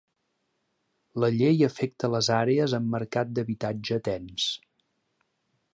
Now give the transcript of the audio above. La llei afecta les àrees amb mercat d'habitatge tens.